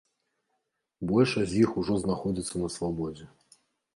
Большасць з іх ужо знаходзяцца на свабодзе.